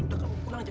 udah kamu pulang aja